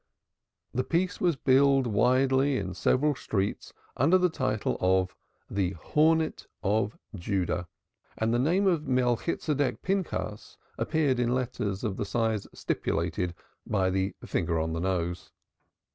The piece was billed widely in several streets under the title of "The Hornet of Judah," and the name of Melchitsedek Pinchas appeared in letters of the size stipulated by the finger on the nose.